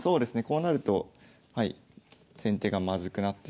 こうなるとはい先手がまずくなってしまうので。